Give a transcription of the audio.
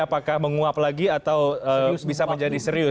apakah menguap lagi atau bisa menjadi serius